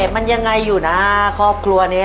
มันยังไงอยู่นะครอบครัวนี้